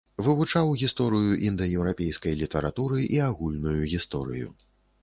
Вывучаў гісторыю індаеўрапейскай літаратуры і агульную гісторыю.